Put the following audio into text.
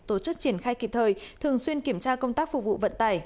tổ chức triển khai kịp thời thường xuyên kiểm tra công tác phục vụ vận tải